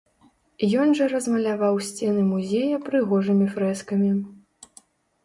Ён жа размаляваў сцены музея прыгожымі фрэскамі.